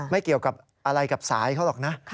ไม่เกี่ยวกับอะไรกับสายเขาหรอกนะ